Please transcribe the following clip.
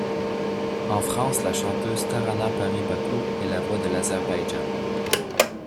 En France la chanteuse Tarana Paris Bakou est la voix de l'Azerbaïdjan.